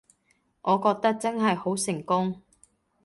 我覺得真係好成功